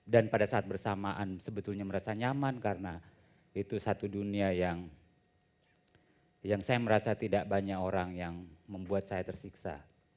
dan pada saat bersamaan sebetulnya merasa nyaman karena itu satu dunia yang saya merasa tidak banyak orang yang membuat saya tersiksa